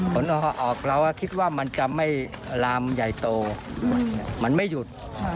ผลออกเราก็คิดว่ามันจะไม่ลามใหญ่โตมันไม่หยุด